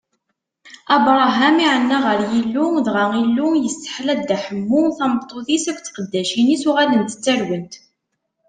Abṛaham iɛenna ɣer Yillu, dɣa Illu yesseḥla Dda Ḥemmu, tameṭṭut-is akked tqeddacin-is: uɣalent ttarwent.